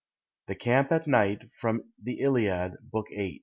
THE CAMP AT NIGHT. FROM "THE ILIAD," BOOK VIII.